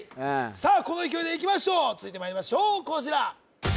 さあこの勢いでいきましょう続いてまいりましょうこちら